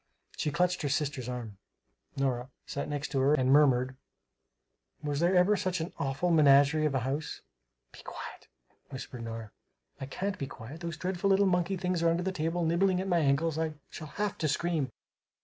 She clutched her sister's arm Nora sat next to her and murmured, "Was there ever such an awful menagerie of a house?" "Be quiet," whispered Nora. "I can't be quiet! Those dreadful little monkey things are under the table, nibbling at my ankles, I shall have to scream!"